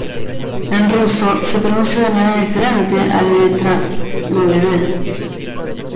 En ruso se pronuncia de manera diferente a la letra "Ш".